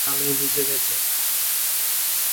তাঁর সারা গা ঘামে ভিজে গেছে।